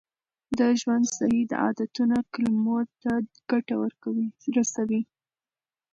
د ژوند صحي عادتونه کولمو ته ګټه رسوي.